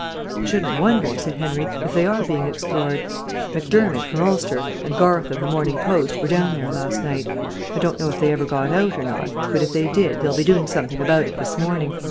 "I shouldn't wonder," said Henry, "if they are being explored. Macdermott, from Ulster, and Garth of the Morning Post, were down there last night. I don't know if they ever got out or not, but if they did they'll be doing something about it this morning.